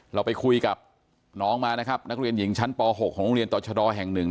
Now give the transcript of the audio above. เราไปคุยกับน้องมานะครับนักเรียนหญิงชั้นป๖ของโรงเรียนต่อชะดอแห่งหนึ่ง